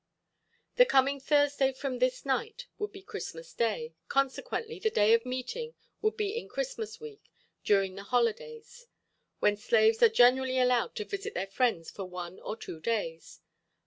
The coming Thursday from this night would be Christmas day, consequently the day of meeting would be in Christmas week during the holidays, when slaves are generally allowed to visit their friends for one or two days.